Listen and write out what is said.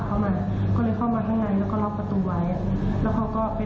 แล้วเขาก็เดินบนเวียนไปถึงข้างหน้าเดินกลับไปกลับมา